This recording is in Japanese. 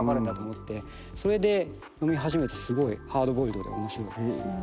それで読み始めてすごいハードボイルドで面白い。